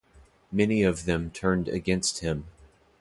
Many of them turned against him.